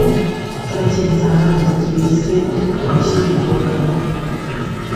کله چې انسانانو د تیوسینټ وحشي بوټی وکاراوه